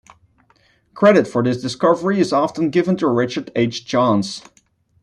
Credit for this discovery is often given to Richard H. Jahns.